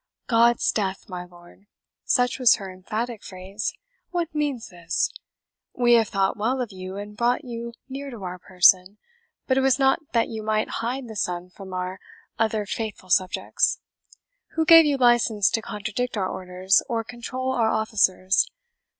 "God's death! my lord." such was her emphatic phrase, "what means this? We have thought well of you, and brought you near to our person; but it was not that you might hide the sun from our other faithful subjects. Who gave you license to contradict our orders, or control our officers?